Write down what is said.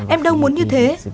em đâu muốn như thế